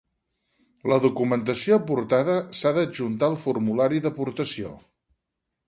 La documentació aportada s'ha d'adjuntar al formulari d'aportació.